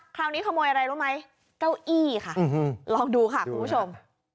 คราวนี้ขโมยอะไรรู้ไหมเก้าอี้ค่ะลองดูค่ะคุณผู้ชม